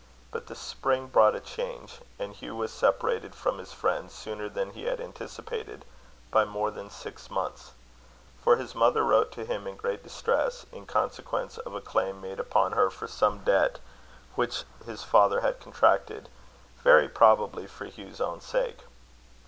But the spring brought a change; and Hugh was separated from his friends sooner than he had anticipated, by more than six months. For his mother wrote to him in great distress, in consequence of a claim made upon her for some debt which his father had contracted, very probably for Hugh's own sake.